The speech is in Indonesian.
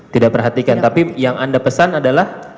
tidak perhatikan tapi yang anda pesan adalah